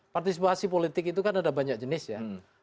partisipasi politik itu kan ada banyak jenis ya